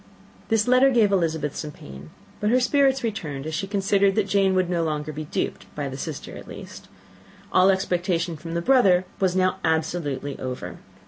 This letter gave Elizabeth some pain; but her spirits returned, as she considered that Jane would no longer be duped, by the sister at least. All expectation from the brother was now absolutely over.